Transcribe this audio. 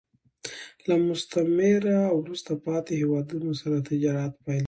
له مستعمره او وروسته پاتې هېوادونو سره تجارت پیل شو